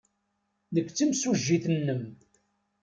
Nekk d timsujjit-nnem.